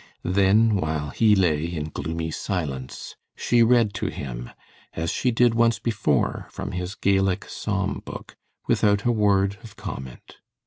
Then, while he lay in gloomy silence, she read to him, as she did once before from his Gaelic psalm book, without a word of comment.